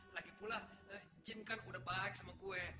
lagi pula jin kan udah baik sama kue